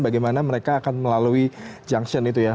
bagaimana mereka akan melalui junction itu ya